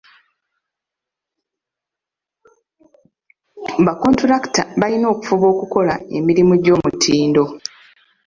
Bakkontulakita balina okufuba okukola emirumu gy'omutindo.